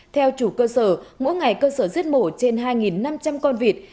theo chủ cơ sở mỗi ngày cơ sở giết mổ trên hai năm trăm linh con vịt